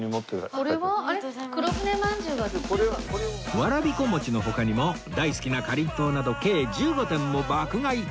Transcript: わらびこ餅の他にも大好きなかりんとうなど計１５点も爆買い